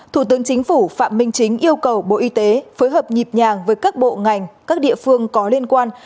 thủ tướng chính phủ phạm minh chính yêu cầu bộ y tế phối hợp nhịp nhàng với các bộ ngành các địa phương có liên quan